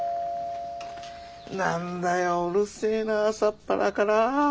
何だようるせえなあ朝っぱらから。